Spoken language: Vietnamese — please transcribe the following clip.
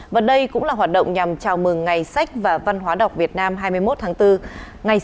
và đây cũng là hoạt động nhằm chào mừng ngày sách và văn hóa đọc việt nam hai mươi một tháng bốn